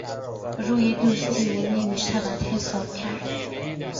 روی دوستی او نمیشود حساب کرد.